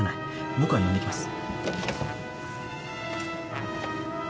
僕が呼んで来ます。